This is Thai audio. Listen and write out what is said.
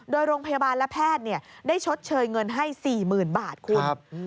โดยโรงพยาบาลและแพทย์ได้ชดเชยเงินให้๔๐๐๐บาทคุณ